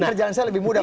kerjaan saya lebih mudah